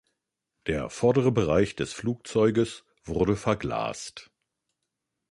Der vordere Bereich des Flugzeuges wurde verglast.